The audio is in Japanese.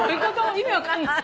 意味分かんない。